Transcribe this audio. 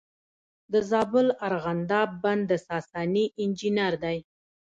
د زابل ارغنداب بند د ساساني انجینر دی